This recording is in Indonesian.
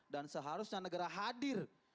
dan seharusnya negara hadir